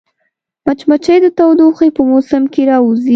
مچمچۍ د تودوخې په موسم کې راووځي